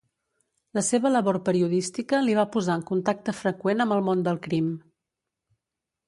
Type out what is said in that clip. La seva labor periodística li va posar en contacte freqüent amb el món del crim.